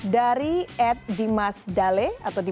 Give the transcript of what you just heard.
dari at dimas dale